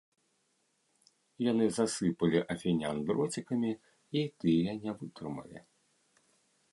Яны засыпалі афінян дроцікамі і тыя не вытрымалі.